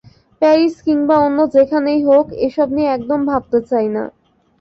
Paris কিংবা অন্য যেখানেই হোক, এসব নিয়ে একদম ভাবতে চাই না।